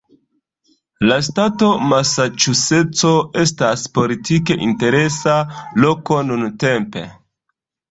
La ŝtato Masaĉuseco estas politike interesa loko nuntempe.